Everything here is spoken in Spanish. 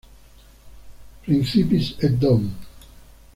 Principis et Dom.